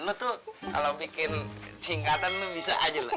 lo tuh kalau bikin singkatan bisa aja lah